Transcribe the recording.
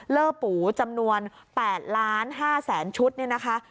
เลิกปูจำนวน๘๕๐๐๐๐๐ชุดนี่นะคะ